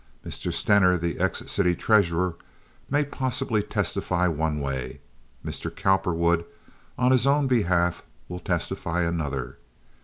Mr. Stener, the ex city treasurer, may possibly testify one way. Mr. Cowperwood, on his own behalf, will testify another.